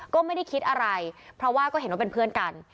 ก็ไม่ได้คิดอะไรเพราะว่าก็เห็นว่าเป็นเพื่อนกัน